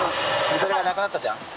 それがなくなったじゃん。